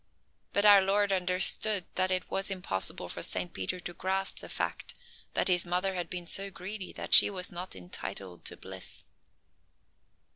But our Lord understood that it was impossible for Saint Peter to grasp the fact that his mother had been so greedy that she was not entitled to bliss.